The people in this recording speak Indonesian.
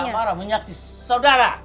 nggak nggak marah menyaksis saudara